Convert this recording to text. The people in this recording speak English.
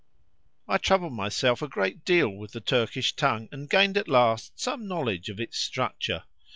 I troubled myself a great deal with the Turkish tongue, and gained at last some knowledge of its structure.